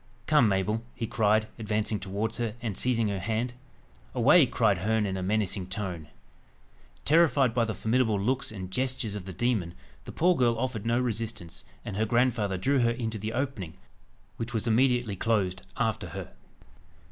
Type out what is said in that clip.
"Come, Mabel!" he cried, advancing towards her, and seizing her hand. "Away!" cried Herne in a menacing tone. Terrified by the formidable looks and gestures of the demon, the poor girl offered no resistance, and her grandfather drew her into the opening, which was immediately closed after her.